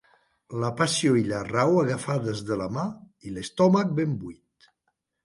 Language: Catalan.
La passió i la raó agafades de la mà, i l'estómac ben buit.